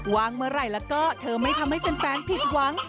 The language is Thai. เมื่อไหร่แล้วก็เธอไม่ทำให้แฟนผิดหวัง